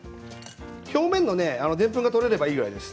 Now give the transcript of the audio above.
表面のでんぷんが取れればいいくらいです。